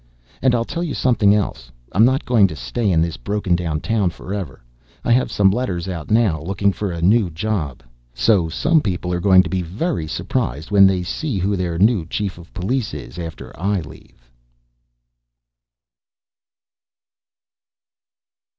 And I'll tell you something else. I'm not going to stay in this broken down town forever. I have some letters out now, looking for a new job. So some people are going to be very surprised when they see who their new Chief of Police is after I leave.